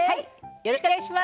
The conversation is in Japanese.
よろしくお願いします。